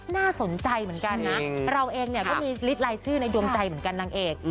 น่าสนใจเหมือนกันนะเราเองเนี่ยก็มีฤทธิลายชื่อในดวงใจเหมือนกันนางเอก